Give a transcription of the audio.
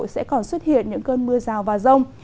sẽ còn xuất hiện những cơn mưa rào và rông